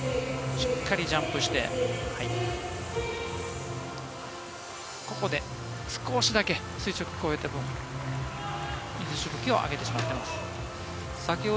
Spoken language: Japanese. しっかりジャンプして、少しだけ垂直を超えて水しぶきを上げてしまいました。